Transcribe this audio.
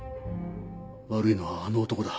悪いのはあの男だ。